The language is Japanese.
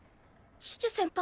チュチュ先輩